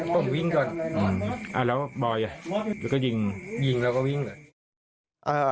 ต้องวิ่งก่อนอืมอ่าแล้วบอยด์อยู่ก็ยิงยิงแล้วก็วิ่งเลย